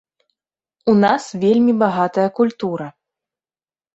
У нас вельмі багатая культура.